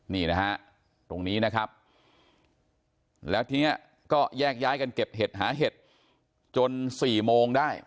นี่นะฮะตรงนี้นะครับแล้วทีนี้ก็แยกย้ายกันเก็บเห็ดหาเห็ดจน๔โมงได้